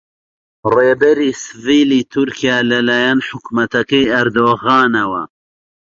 ڕێبەری سڤیلی تورکیا لەلایەن حکوومەتەکەی ئەردۆغانەوە